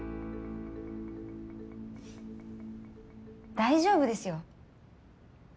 大丈夫ですよ。